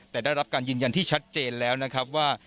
แต่ได้รับการยืนยันที่ชัดเจนแล้วนะครับว่า